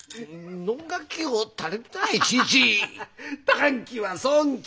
「短気は損気」！